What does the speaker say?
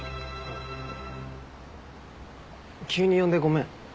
急に呼んでごめん。